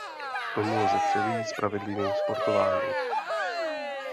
Tomu lze předejít pravidelným sportováním.